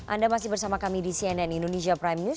anda masih bersama kami di cnn indonesia prime news